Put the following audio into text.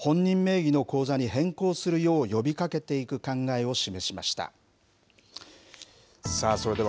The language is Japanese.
河野大臣はこう述べ、本人名義の口座に変更するよう呼びかけていく考えを示しました。